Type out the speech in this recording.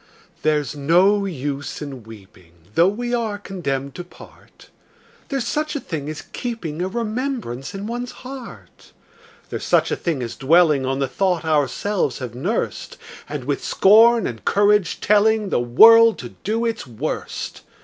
There's no use in weeping, Though we are condemned to part: There's such a thing as keeping A remembrance in one's heart: There's such a thing as dwelling On the thought ourselves have nursed, And with scorn and courage telling The world to do its worst.